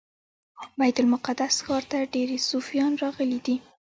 بیت المقدس ښار ته ډیری صوفیان راغلي دي.